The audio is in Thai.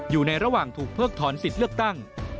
อยู่ในระหว่างถูกเพิกถอนสิทธิ์เลือกตั้ง